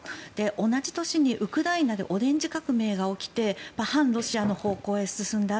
同じ年にウクライナでオレンジ革命が起きて反ロシアの方向へ進んだ。